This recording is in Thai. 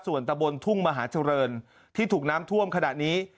ส่วนตะบนทุ่งมหาเจริญที่ถูกน้ำท่วมขณะนี้